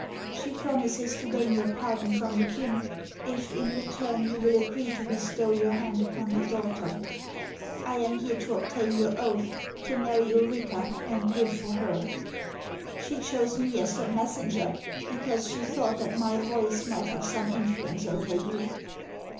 She promises to gain your pardon from the king, if in return you will agree to bestow your hand upon her daughter. I am here to obtain your oath to marry Ulrica and live for her. She chose me as her messenger because she thought that my voice might have some influence over you."